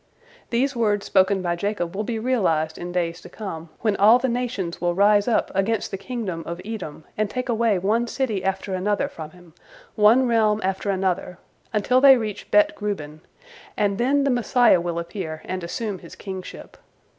These words spoken by Jacob will be realized in days to come, when all the nations will rise up against the kingdom of Edom, and take away one city after another from him, one realm after another, until they reach Bet Gubrin, and then the Messiah will appear and assume his kingship.